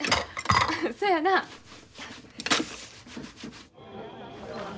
そやなあ。